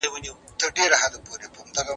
که هیواد ارام وي خلګ هوسا کیږي.